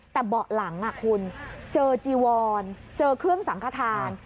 แต่เบาะหลังคุณเจอจีวอนเจอเครื่องสังขทาน